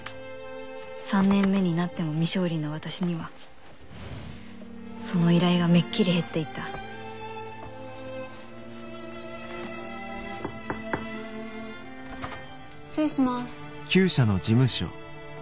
３年目になっても未勝利の私にはその依頼がめっきり減っていた失礼します。